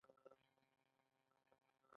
هغوی د حقونو درناوی ونه کړ.